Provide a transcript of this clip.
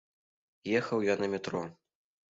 Ехаў я на метро.